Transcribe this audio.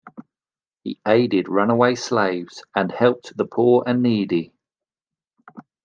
He aided runaway slaves and helped the "poor and needy".